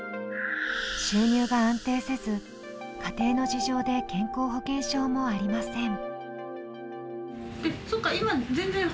収入が安定せず、家庭の事情で健康保険証もありません。